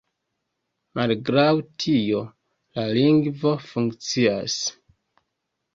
Malgraŭ tio, la lingvo funkcias.